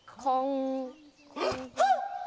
はっ！